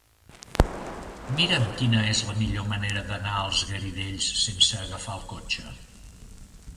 Mira'm quina és la millor manera d'anar als Garidells sense agafar el cotxe.